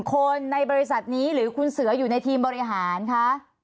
คนในบริษัทนี้หรือคุณเสืออยู่ในทีมบริหารคะ